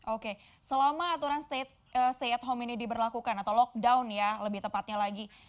oke selama aturan stay at home ini diberlakukan atau lockdown ya lebih tepatnya lagi